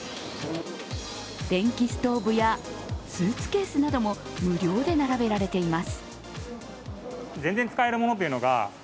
電気ストーブや、スーツケースなども無料で並べられています。